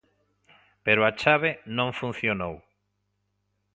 Pero a chave non funcionou.